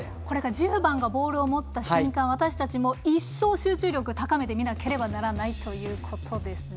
１０番がボールを持った瞬間、私たちも一層、集中力を高めて見ないといけないということですね。